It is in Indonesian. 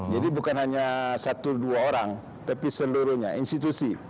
jadi bukan hanya satu dua orang tapi seluruhnya institusi